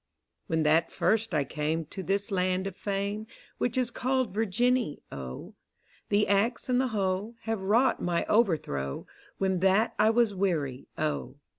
When that first I came To this land of Fame, Which is called Virginny, O: The Axe and the Hoe Have wrought my overthrow. When that I was weary, O.